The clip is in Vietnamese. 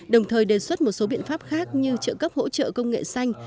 đồng thời đề xuất một số biện pháp khác như trợ cấp hỗ trợ công nghệ xanh